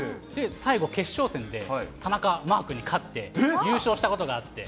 最後決勝戦で田中マー君に勝って優勝したことがあって。